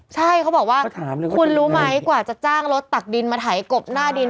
ใช่เขาบอกว่าคุณรู้ไหมกว่าจะจ้างรถตักดินมาถ่ายกบหน้าดิน